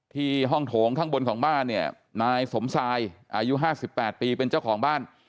ที่ห้องโถงข้างบนของบ้านเนี่ยนายสมทรายอายุ๕๘ปีเป็นเจ้าของบ้าน